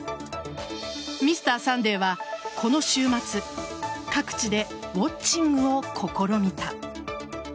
「Ｍｒ．サンデー」はこの週末各地でウォッチングを試みた。